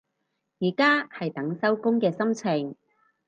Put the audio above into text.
而家係等收工嘅心情